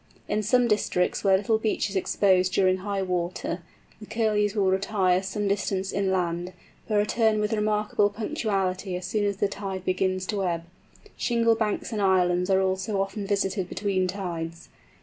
In some districts where little beach is exposed during high water, the Curlews will retire some distance inland, but return with remarkable punctuality as soon as the tide begins to ebb. Shingle banks and islands are also often visited between tides.